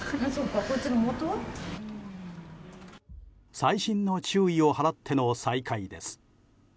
細心の注意を払っての再開です。